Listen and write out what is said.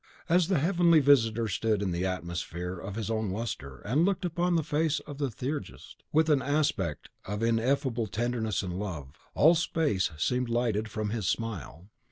As the heavenly visitor stood in the atmosphere of his own lustre, and looked upon the face of the Theurgist with an aspect of ineffable tenderness and love, all space seemed lighted from his smile.